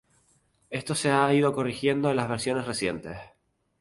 Esto se ha ido corrigiendo en las versiones recientes.